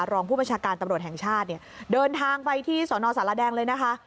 รองผู้บัญชาการตำรวจแห่งชาติเนี่ยเดินทางไปที่สนสารแดงเลยนะคะ